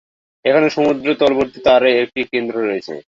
এখানে সমুদ্র-তলবর্তী তারের একটি কেন্দ্র আছে।